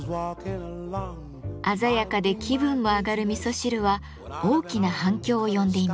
鮮やかで気分も上がる味噌汁は大きな反響を呼んでいます。